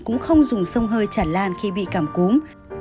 cũng không dùng sông hơi chản lan khi bị cảm cúm